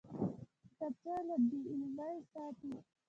کتابچه له بېعلمۍ ساتي